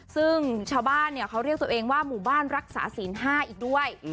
ซึ่งชาวบ้านเขาเรียกตัวเองว่าหมู่บ้านรักษาศีล๕อีกด้วย